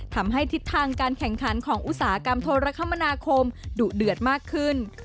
ทำให้ทิศทางการแข่งขันของอุตสาหกรรมโทรคมนาคมดุเดือดมากขึ้น